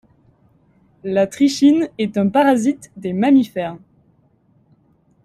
La Trichine est un parasite des mammifères.